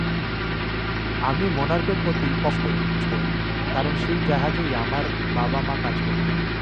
আমি মোনার্কের প্রতি পক্ষপাতদুষ্ট, কারণ সেই জাহাজেই আমার বাবা-মা কাজ করতেন।